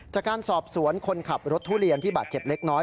จากการสอบสวนคนขับรถทุเรียนที่บาดเจ็บเล็กน้อย